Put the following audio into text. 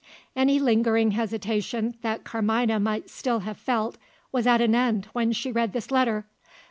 Any lingering hesitation that Carmina might still have felt, was at an end when she read this letter.